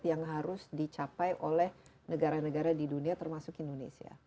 yang harus dicapai oleh negara negara di dunia termasuk indonesia